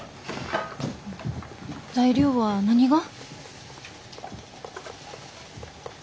材料は何が。